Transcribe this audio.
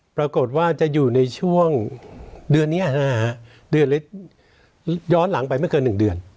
ปรากฏว่าจะอยู่ในช่วงเดือนนี้เดือนย้อนหลังไปไม่เกิน๑เดือน